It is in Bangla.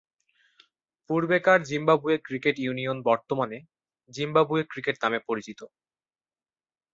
পূর্বেকার জিম্বাবুয়ে ক্রিকেট ইউনিয়ন বর্তমানে 'জিম্বাবুয়ে ক্রিকেট' নামে পরিচিত।